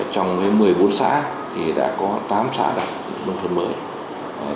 trong một mươi bốn xã đã có tám xã đặt nông thuận mới